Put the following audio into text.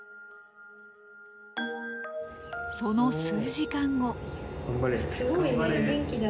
その数時間後。